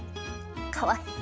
かわいい。